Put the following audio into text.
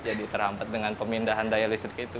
jadi terhampat dengan pemindahan daya listrik itu